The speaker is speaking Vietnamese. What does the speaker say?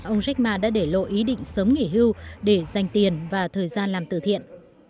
ông jakarma đã để lộ ý định sớm nghỉ hưu để dành tiền và thời gian làm từ thiện